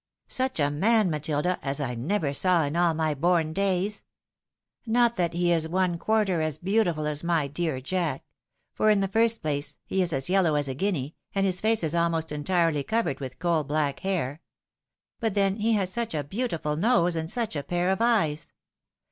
Such a man, Matilda, as I never saw in all my born days. Not that he is one quarter as beautiful as my dear Jack ; for, in the first place, he is as yellow as a guinea, and his face is almost entirely covered with coal black hair. But then he has such a beautifvil nose, and such a pair of eyes